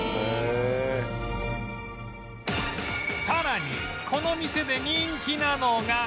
さらにこの店で人気なのが